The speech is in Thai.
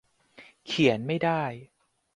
เขียนไม่ได้